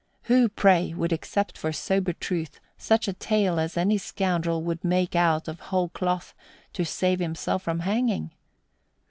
Who, pray, would accept for sober truth such a tale as any scoundrel would make out of whole cloth to save himself from hanging?